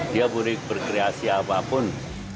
dia boleh berkreasi apapun